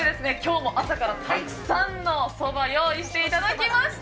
今日も朝からたくさんのそばを用意していただきました。